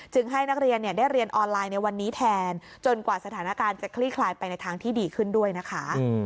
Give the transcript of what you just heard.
ให้นักเรียนได้เรียนออนไลน์ในวันนี้แทนจนกว่าสถานการณ์จะคลี่คลายไปในทางที่ดีขึ้นด้วยนะคะ